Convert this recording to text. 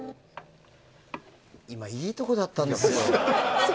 今、いいところだったんですよ。